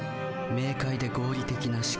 明快で合理的な思考。